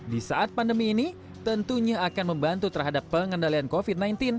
di saat pandemi ini tentunya akan membantu terhadap pengendalian covid sembilan belas